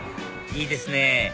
いいですね